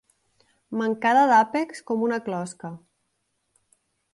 Mancada d'àpex, com una closca.